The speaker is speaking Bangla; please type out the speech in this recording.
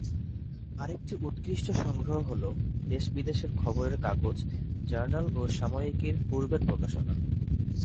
আরেকটি উৎকৃষ্ট সংগ্রহ হলো দেশ-বিদেশের খবরের কাগজ, জার্নাল ও সাময়িকীর পূর্বের প্রকাশনা।